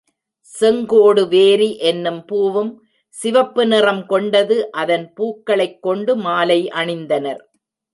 செங்கோடுவேரி என்னும் பூவும் சிவப்பு நிறம் கொண்டது அதன் பூக்களைக் கொண்டு மாலை அணிந்தனர்.